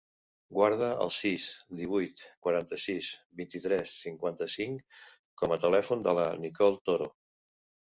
Guarda el sis, divuit, quaranta-sis, vint-i-tres, cinquanta-cinc com a telèfon de la Nicole Toro.